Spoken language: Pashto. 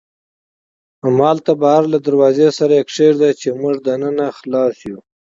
همالته بهر له دروازې سره یې کېږدئ، چې موږ دننه خلاص یو.